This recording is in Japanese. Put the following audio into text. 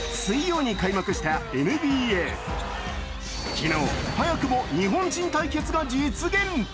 昨日、早くも日本人対決が実現。